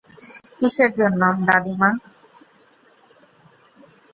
কিসের জন্য, দাদিমা?